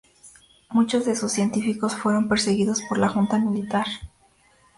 Muchos de sus científicos fueron perseguidos por la Junta Militar.